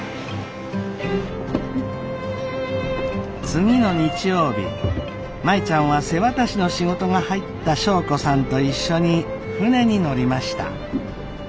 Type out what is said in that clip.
次の日曜日舞ちゃんは瀬渡しの仕事が入った祥子さんと一緒に船に乗りました。